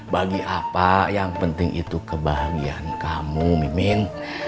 bagi apa yang penting itu kebahagiaan kamu mimin